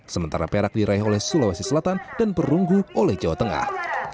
sementara perak diraih oleh sulawesi selatan dan perunggu oleh jawa tengah